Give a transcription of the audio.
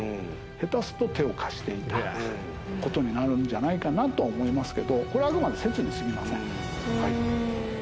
下手すると手を貸していた事になるんじゃないかなと思いますけどこれあくまで説に過ぎません。